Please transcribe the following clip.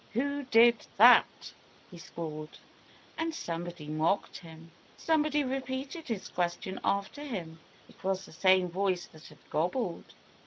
"Who did that?" he squalled. And somebody mocked him. Somebody repeated his question after him. It was the same voice that had gobbled.